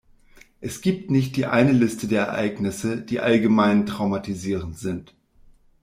Es gibt nicht die eine Liste der Ereignisse, die allgemein traumatisierend sind.